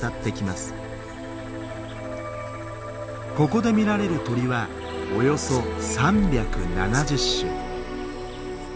ここで見られる鳥はおよそ３７０種。